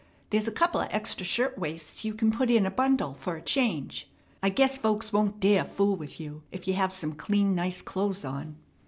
There's a couple of extra shirt waists you can put in a bundle for a change. I guess folks won't dare fool with you if you have some clean, nice clothes on."